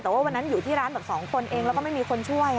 แต่ว่าวันนั้นอยู่ที่ร้านแบบ๒คนเองแล้วก็ไม่มีคนช่วย